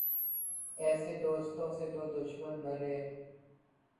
ایسے دوستو سے تو دشمن بھلے